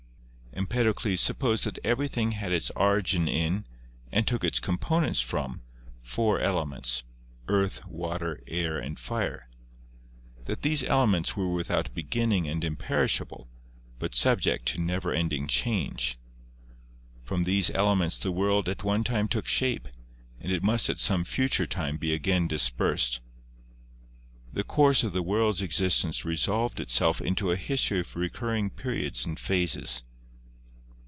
Empedocles supposed that everything had its origin in, and took its components from, four elements (earth, water, air and fire) ; that these elements were without beginning and im perishable, but subject to never ending change. From these elements the world at one time took shape, and it must at some future time be again dispersed. The course of the world's existence resolved itself into a history of recurring periods and phases.